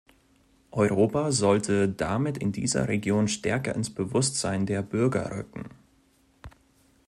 Europa sollte damit in dieser Region stärker ins Bewusstsein der Bürger rücken.